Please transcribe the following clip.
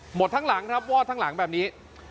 หมดทั้งหลังครับวอดทั้งหลังแบบนี้